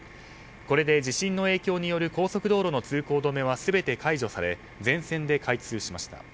これで、地震の影響による高速道路の通行止めは全て解除され、全線で開通しました。